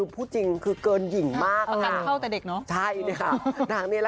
ผมถึงสงสัย